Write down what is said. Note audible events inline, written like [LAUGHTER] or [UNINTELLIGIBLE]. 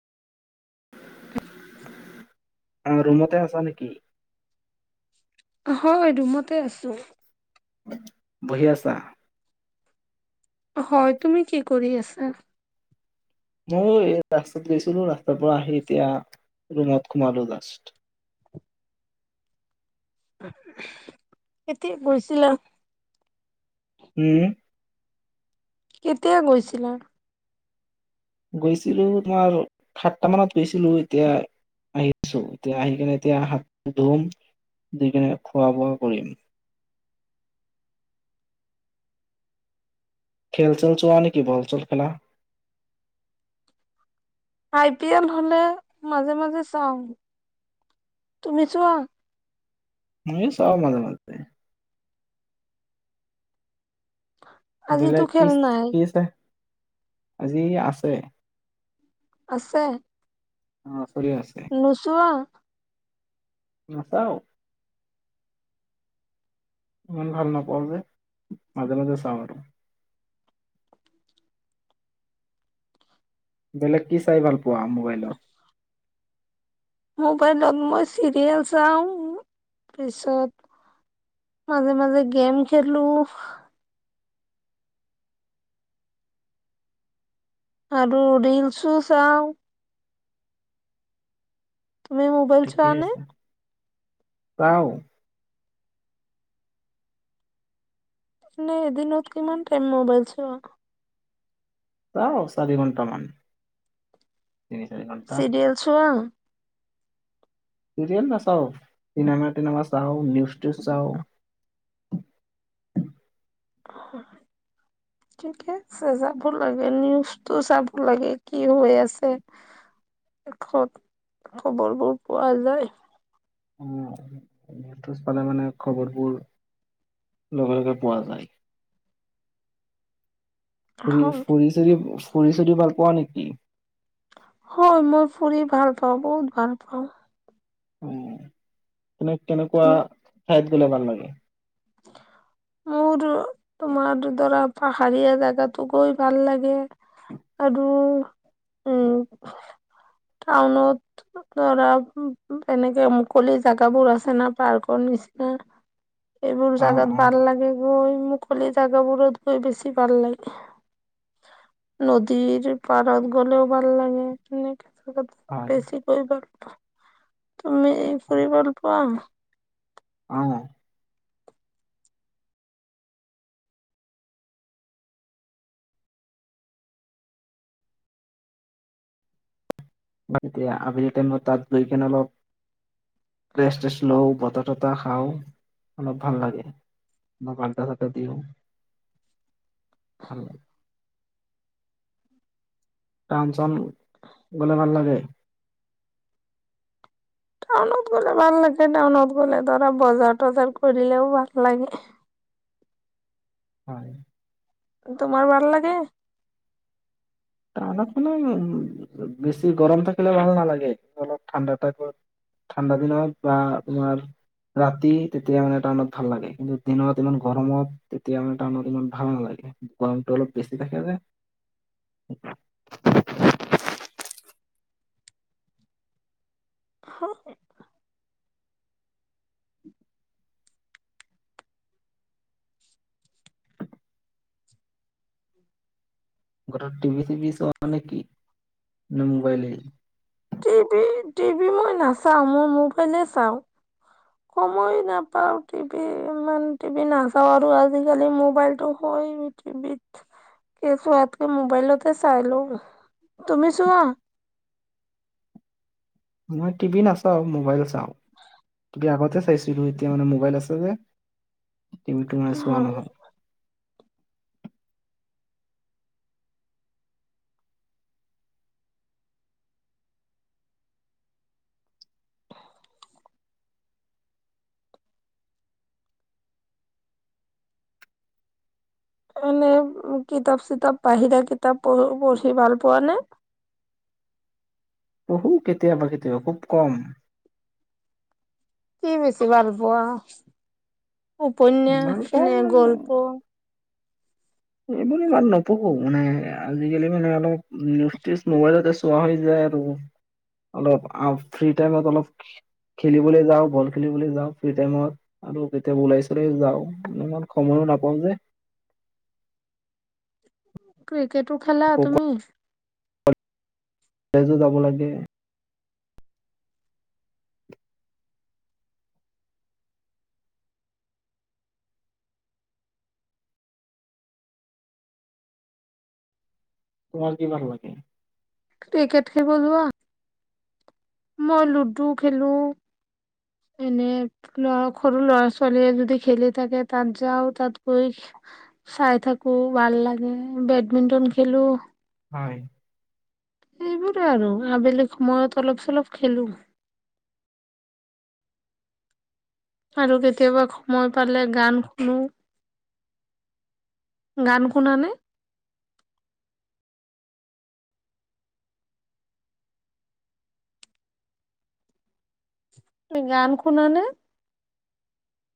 আহ' ৰুমতে আছা নেকি? হয়-, ৰুমতে আছো। বহি আছা? হয়, তুমি কি কৰি আছা? মই এই ৰাস্তাত গেইছিলো, ৰাস্তাৰ পৰা আহি এতিয়া ৰুমত খোমালো জাষ্ট। এতে গৈছিলে। [UNINTELLIGIBLE] উম-' কেতিয়া গৈছিলা? গৈছিলো, তোমাৰ সাতটা মানত গৈছিলো এতিয়া আহিছো, এতিয়া আহি কিনে এতিয়া হাত মুখ ধুম, ধুই কেনে খোৱা বোৱা কৰিম। খেল-চেল চোৱা নেকি? বল চল খেলা? আই পি এল হলে মাজে মাজে চাওঁ! তুমি মই চাও মাজে-মাজে আজিতো বেলেগ খেল কিছ নাই কি আছে? আজি আছে আছে অ চলি আছে নোচোৱা নাচাঁও ইমান ভাল নাপাও যে, মাজে মাজে চাওঁ আৰু বেলেগ কি চাই ভাল- পোৱা মোবাইলত মোবাইলত মই চিৰিয়েল চাওঁ তাৰপিছত মাজে মাজে গেম খেলোঁ আৰু ৰীলচো চাওঁ তুমি মোবাইল চোৱা নে ৱাওঁ এনে এদিনত কিমান টাইম মোবাইল চোৱা চাওঁ চাৰি ঘন্টামান চিৰিয়েল চোৱা চিৰিয়েল না চাও চিনেমা টিনেমা চাও। নিউজটো চাওঁ ঠিকে আছে যাব লাগে নিউজটো চাব লাগে কি হৈ আছে শেষত খবৰবোৰ পোৱা যায় োজ পালে মানে খবৰবোৰ লগে লগে পোৱা যায় ফৰি হয় ফৰি চৰি ফৰি চৰি ভাল কোৱা নেকি হয় মই ফুৰি ভাল পাওঁ বহুত ভাল পাওঁ উ কেনেকুৱা খাদ লে ভমান লাগে মোৰ তোমাৰ ধৰা পাহাৰীয়া জোগাতটো গৈ ভাল লাগে আৰু উম টাউনত ধৰা এনেকে মুকলি জোগাবোৰ আছে না পাৰ্কৰ নিচিনা ইোৰ অ চাগান অ তাৰ লাগে গৈ মুকলি জাগাবোৰত গৈ বেছি ভাল লাগে নদীৰ পাৰত গলেও ভাল লাগে হয় বেছিিকৈাৰ তুমি ফুুৰ হয় ভাল পোৱাাম অ এতিয়া আবেলি টাইমত তাত গৈ কেনে অলপ ৰেষ্টষ্ট লও বতাহ তত খাওঁ অলপ ভাল লাগে আ্দা থাক দিওঁ ভাল লাগে ান চন গলে ভাল লাগে টাউনত গ'লে ভাল লাগে টাউনত গ'লে ধৰা বজাৰ তজাৰ কৰিলেও ভাল লাগে হয় তোমাৰ ভাল লাগে া খো উ বেছি গৰম থাকিলে ভাল নালাগেন্ত অলপ ঠাণ্ডা াকত ঠাণ্ডা দিনত বা তোমাৰ ৰাতি তেতিয়া মানে টাউনত ভাল লাগে কিন্তু দিনত ইমান গৰমত তেতিয়া মানে টাউনত ইমান ভাল নালাগে গৰমটো অলপ বেছি থাকে যে [INAUDIBLE] হ ঘৰতৰত িভি চিভি চ অানক কি নে মোবাইলে টিভি টিভি মই নাচাওঁ মই মোবাইলে চাওঁ সময় নাপাওঁ টিভি ইমান টিভি নাচাওঁ আৰু আজিকালি মোবাইলটো হয় টিভিত কে চোৱাতকৈ মোবাইলতে চাই লওঁ তুমি চোৱা আই টিভি নাচাও মোবাইল চাও আগতে চাইছিলো এতিয়া মানে মোবাইল আছে যে টিম টণ চোৱা নহয় এনে কিতাপ চিতাপ বাহিৰা কিতাপ পঢ় পঢ়ি ভাল পোৱা নে পঢ়ো কেতিয়াবা কেতিয়াবা খুব কম কি বেছি ভাল পোৱা। উপন্যাস মানে নে কম গল্প এইবোৰ ইমান নপঢ়োঁ মানে আজিকালি মানে অলপ নিউজউজ মোবাইলতে চোৱা হৈ যায় আৰু অলপ ফ্ৰী টাইমত অলপ খেলিবলৈ যাওঁ বল খেলিবলৈ যাওঁ ফ্ৰী টাইমত আৰু কেতিয়াবা ওলাই চলাই যাওঁ ইমান সময়ো নাপাওঁ যে টু ক্ৰিকেটো খেলা আকৌ তুমি তেজো যাব লাগে খোৰা কিমান লাগে ক্ৰিকেট খিবলৈোৱা মই লুডু খেলো এনে লৰা সৰু লৰা ছোৱালীয়ে যদি খেলি থাকে তাত যাও তাত গৈ চাই থাকো ভাল লাগে বেডমিণ্টন খেলো হয় এইবোৰে আৰু আবেলি সময়ত অলপ চলপ খেলোঁ আৰু কেতিয়াবা সময় পালে গান শুনো গান শুনা নে গান শুনানে